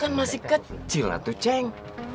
kan masih kecil atau ceng